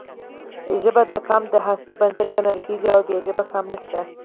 ژبه د قام د هستۍ بنسټ ګڼل کېږي او بې ژبې قام نشته.